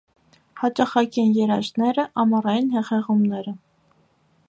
Հաճախակի են երաշտները, ամառային հեղեղումները։